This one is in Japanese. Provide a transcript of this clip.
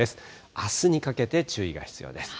あすにかけて、注意が必要です。